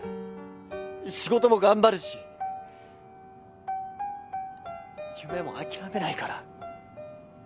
仕事も頑張るし夢も諦めないから。